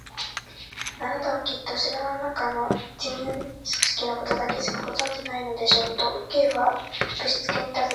「あなたはきっと城のなかの事務組織のことだけしかご存じでないのでしょう？」と、Ｋ はぶしつけにたずねた。